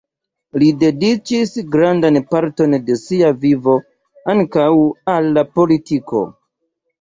Li dediĉis grandan parton de sia vivo ankaŭ al la politiko.